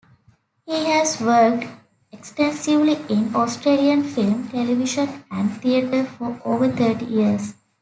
He has worked extensively in Australian film, television and theatre for over thirty years.